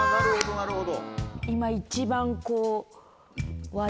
なるほど。